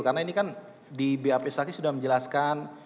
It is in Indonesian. karena ini kan di bap saksi sudah menjelaskan